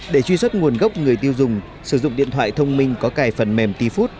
để truy xuất nguồn gốc người tiêu dùng sử dụng điện thoại thông minh có cài phần mềm tfood